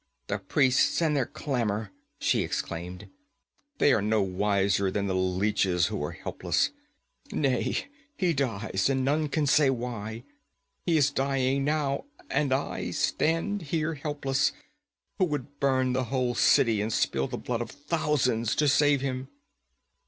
'The priests and their clamor!' she exclaimed. 'They are no wiser than the leeches who are helpless! Nay, he dies and none can say why. He is dying now and I stand here helpless, who would burn the whole city and spill the blood of thousands to save him.'